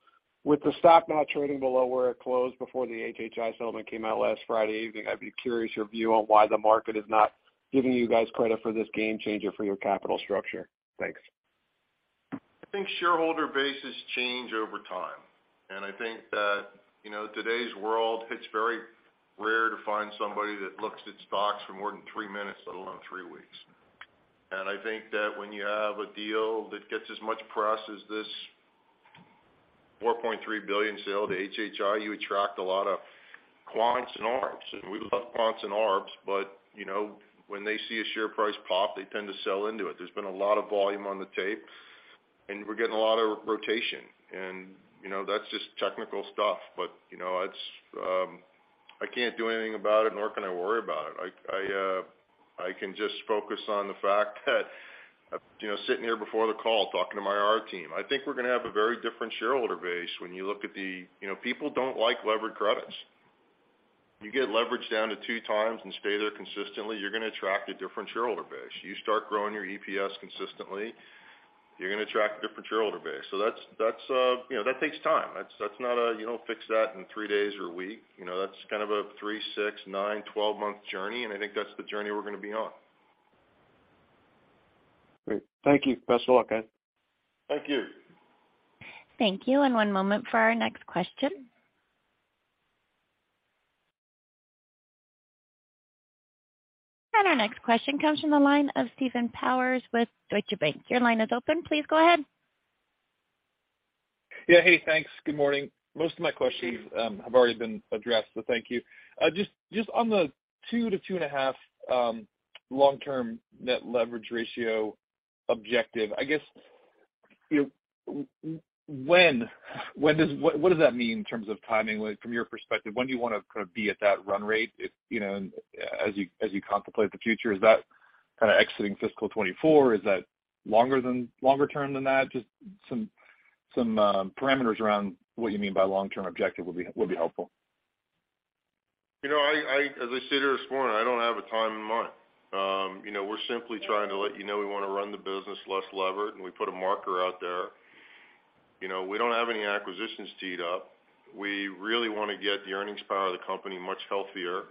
With the stock now trading below where it closed before the HHI settlement came out last Friday evening, I'd be curious your view on why the market is not giving you guys credit for this game changer for your capital structure. Thanks. Shareholder bases change over time, you know, today's world, it's very rare to find somebody that looks at stocks for more than three minutes, let alone three weeks. When you have a deal that gets as much press as this $4.3 billion sale to HHI, you attract a lot of quants and arbs, we love quants and arbs, you know, when they see a share price pop, they tend to sell into it. There's been a lot of volume on the tape, we're getting a lot of rotation, you know, that's just technical stuff, you know, it's. I can't do anything about it, nor can I worry about it. I can just focus on the fact that, you know, sitting here before the call talking to my IR team. I think we're gonna have a very different shareholder base when you look at You know, people don't like levered credits. You get leverage down to 2x and stay there consistently, you're gonna attract a different shareholder base. You start growing your EPS consistently, you're gonna attract a different shareholder base. That's, you know, that takes time. That's not a, you know, fix that in three days or a week. You know, that's kind of a three-,six-,nine-, 12-month journey, and I think that's the journey we're gonna be on. Great. Thank you. Best of luck, guys. Thank you. Thank you. One moment for our next question. Our next question comes from the line of Stephen Powers with Deutsche Bank. Your line is open. Please go ahead. Yeah. Hey, thanks. Good morning. Most of my questions have already been addressed, so thank you. just on the 2x to 2.5x long-term net leverage ratio objective, I guess What does that mean in terms of timing? Like from your perspective, when do you wanna kind of be at that run rate if, you know, as you, as you contemplate the future? Is that kinda exiting fiscal 2024? Is that longer term than that? Just some parameters around what you mean by long-term objective will be helpful. You know, I As I sit here this morning, I don't have a time in mind. You know, we're simply trying to let you know we wanna run the business less levered, and we put a marker out there. You know, we don't have any acquisitions teed up. We really wanna get the earnings power of the company much healthier.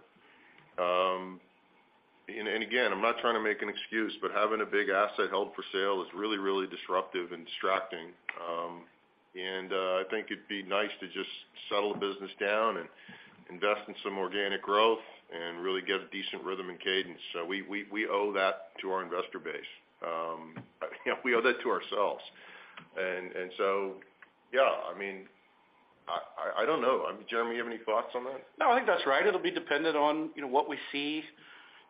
Again, I'm not trying to make an excuse, but having a big asset held for sale is really, really disruptive and distracting. I think it'd be nice to just settle the business down and invest in some organic growth and really get a decent rhythm and cadence. We owe that to our investor base. You know, we owe that to ourselves. So, yeah, I mean, I don't know. Jeremy, you have any thoughts on that? No, I think that's right. It'll be dependent on, you know, what we see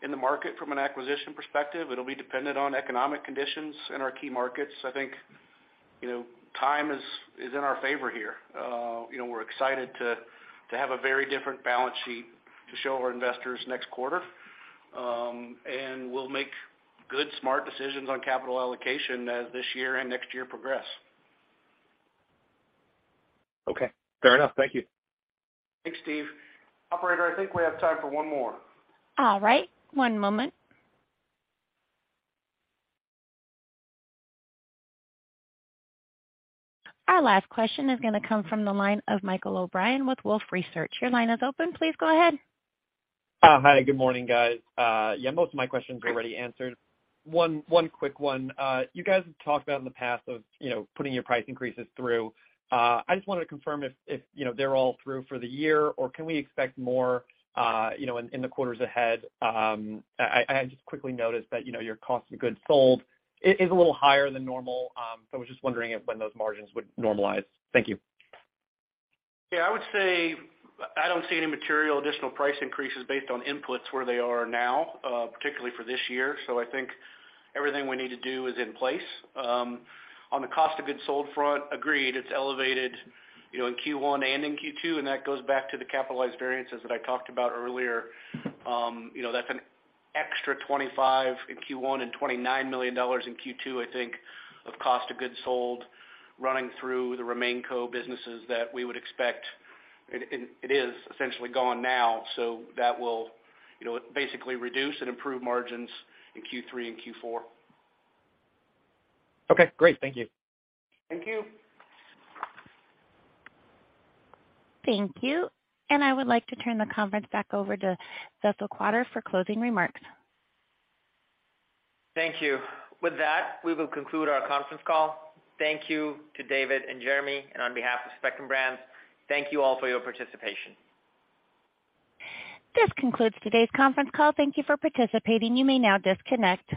in the market from an acquisition perspective. It'll be dependent on economic conditions in our key markets. I think, you know, time is in our favor here. You know, we're excited to have a very different balance sheet to show our investors next quarter. We'll make good, smart decisions on capital allocation as this year and next year progress. Okay. Fair enough. Thank you. Thanks, Steve. Operator, I think we have time for one more. All right. One moment. Our last question is gonna come from the line of Michael O'Brien with Wolfe Research. Your line is open. Please go ahead. Hi, good morning, guys. Yeah, most of my questions are already answered. One quick one. You guys have talked about in the past of, you know, putting your price increases through. I just wanted to confirm if, you know, they're all through for the year or can we expect more, you know, in the quarters ahead. I just quickly noticed that, you know, your cost of goods sold is a little higher than normal. I was just wondering if when those margins would normalize. Thank you. Yeah, I would say I don't see any material additional price increases based on inputs where they are now, particularly for this year. I think everything we need to do is in place. On the cost of goods sold front, agreed, it's elevated, you know, in Q1 and in Q2, and that goes back to the capitalized variances that I talked about earlier. You know, that's an extra $25 million in Q1 and $29 million in Q2, I think, of cost of goods sold running through the RemainCo businesses that we would expect. It is essentially gone now. That will, you know, basically reduce and improve margins in Q3 and Q4. Okay, great. Thank you. Thank you. Thank you. I would like to turn the conference back over to Faisal Qadir for closing remarks. Thank you. With that, we will conclude our conference call. Thank you to David and Jeremy, and on behalf of Spectrum Brands, thank you all for your participation. This concludes today's conference call. Thank you for participating. You may now disconnect.